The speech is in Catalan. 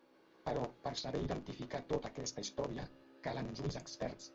Però per saber identificar tota aquesta història, calen uns ulls experts.